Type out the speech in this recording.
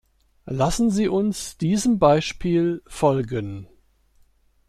Lassen Sie uns diesem Beispiel folgen.